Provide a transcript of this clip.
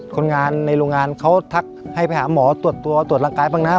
คนงานในโรงงานเขาทักให้ไปหาหมอตรวจตัวตรวจร่างกายบ้างนะ